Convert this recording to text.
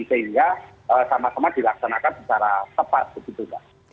sehingga sama sama dilaksanakan secara tepat begitu mbak